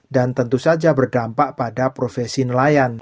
dan tentu saja berdampak pada profesionalnya